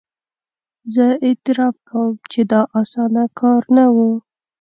زه اعتراف کوم چې دا اسانه کار نه وو.